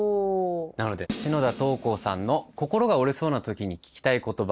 なので篠田桃紅さんの「心が折れそうなときに聞きたい言葉」